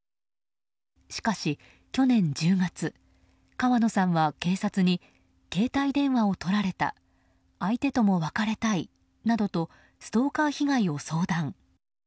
しかし去年１０月川野さんは、警察に携帯電話をとられた相手とも別れたいなどとストーカー被害を相談。